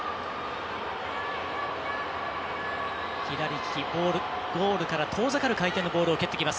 左利き、ゴールから遠ざかる回転のボールを蹴ってきます。